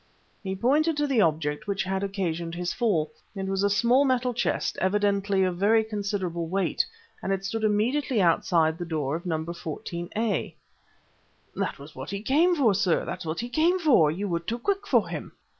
He pointed to the object which had occasioned his fall. It was a small metal chest, evidently of very considerable weight, and it stood immediately outside the door of Number 14a. "That was what he came for, sir! That was what he came for! You were too quick for him!"